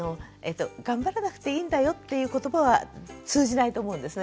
頑張らなくていいんだよっていう言葉は通じないと思うんです。